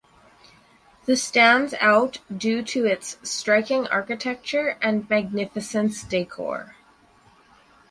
The stands out due to its striking architecture and magnificence decor.